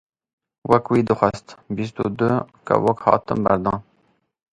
Wek wî dixwest, bîst û dû kevok hatin berdan.